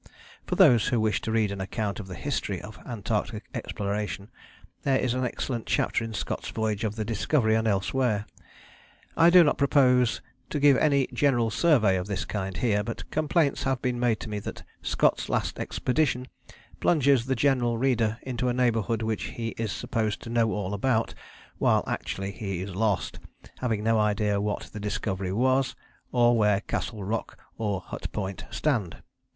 For those who wish to read an account of the history of Antarctic exploration there is an excellent chapter in Scott's Voyage of the Discovery and elsewhere. I do not propose to give any general survey of this kind here, but complaints have been made to me that Scott's Last Expedition plunges the general reader into a neighbourhood which he is supposed to know all about, while actually he is lost, having no idea what the Discovery was, or where Castle Rock or Hut Point stand.